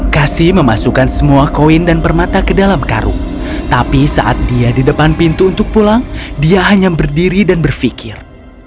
kasi memasukkan semua koin dan permata ke dalam karung tapi saat dia di depan pintu untuk pulang dia hanya berdiri dan berpikir